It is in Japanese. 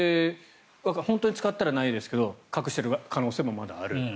本当に使ったら、ないですけど隠している可能性もまだある。